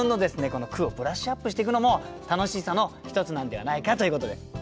この句をブラッシュアップしていくのも楽しさの一つなんではないかということでね。